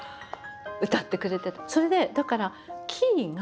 それでだからキーが。